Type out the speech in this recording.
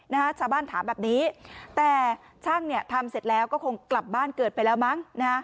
นะฮะชาวบ้านถามแบบนี้แต่ช่างเนี่ยทำเสร็จแล้วก็คงกลับบ้านเกิดไปแล้วมั้งนะฮะ